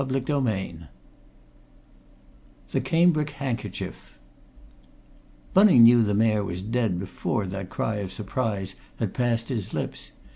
CHAPTER II THE CAMBRIC HANDKERCHIEF Bunning knew the Mayor was dead before that cry of surprise had passed his lips.